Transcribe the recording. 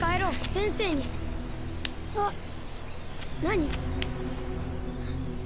先生にあっ何？